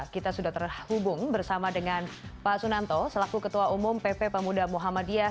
kita sudah terhubung bersama dengan pak sunanto selaku ketua umum pp pemuda muhammadiyah